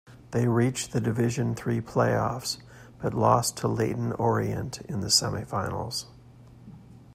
They reached the Division Three playoffs, but lost to Leyton Orient in the semi-finals.